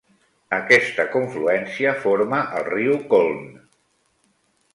Aquesta confluència forma el riu Colne.